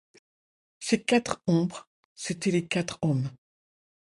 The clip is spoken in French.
Ces quatre ombres, c’étaient les quatre hommes.